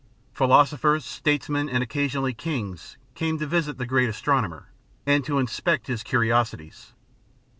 Philosophers, statesmen, and occasionally kings, came to visit the great astronomer, and to inspect his curiosities.